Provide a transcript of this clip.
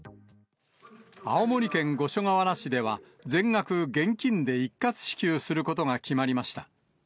青森県五所川原市では、全額現金で一括支給することが決まりました。